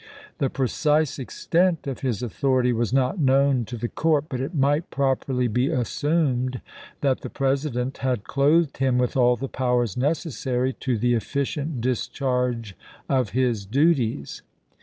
The precise extent of his authority was not known to the court, but it might properly be assumed that the President had clothed him with all the powers necessary to the efficient discharge of his duties.